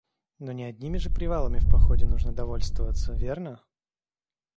Ну не одними же привалами в походе нужно довольствоваться, верно?